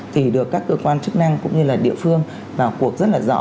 thì được các cơ quan chức năng cũng như là địa phương vào cuộc rất là rõ